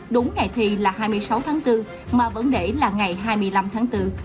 đúng ngày thi là hai mươi sáu tháng bốn mà vẫn để là ngày hai mươi năm tháng bốn